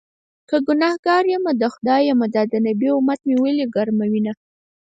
که ګنهکار يمه د خدای یم- دا د نبي امت مې ولې ګرموینه